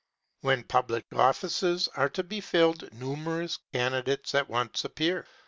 When public offices are to be filled numerous candidates at once appear.